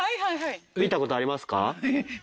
見たことありますか？